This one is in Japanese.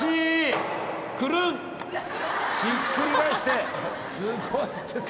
ひっくり返してすごいです。